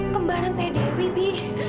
kembaran teh dewi bi